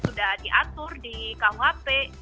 sudah diatur di kuhp